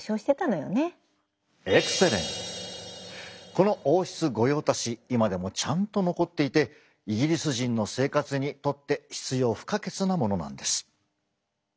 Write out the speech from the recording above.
この王室御用達今でもちゃんと残っていてイギリス人の生活にとって必要不可欠なものなんです。